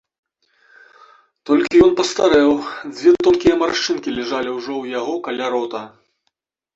Толькі ён пастарэў, дзве тонкія маршчынкі ляжалі ўжо ў яго каля рота.